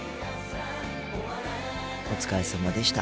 お疲れさまでした。